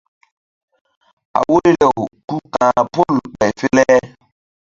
A woyri-aw ku ka̧h pol ɓay fe le.